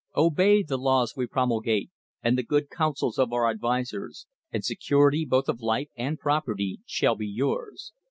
Obey the laws we promulgate and the good counsels of our advisers, and security both of life and property shall be yours.